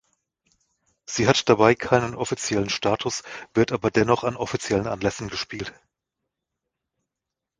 Sie hat dabei keinen offiziellen Status, wird aber dennoch an offiziellen Anlässen gespielt.